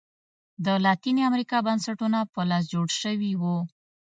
د لاتینې امریکا بنسټونه په لاس جوړ شوي وو.